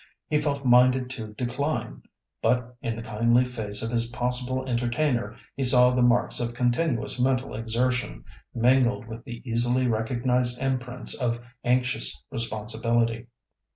He felt minded to decline, but in the kindly face of his possible entertainer he saw the marks of continuous mental exertion, mingled with the easily recognised imprints of anxious responsibility.